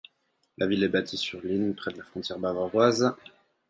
La ville est bâtie sur l'Inn, près de la frontière bavaroise.